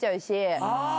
あ。